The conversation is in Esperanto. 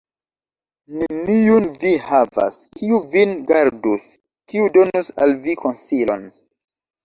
Neniun vi havas, kiu vin gardus, kiu donus al vi konsilon.